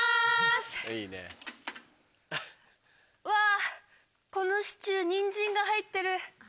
うわこのシチューにんじんが入ってる。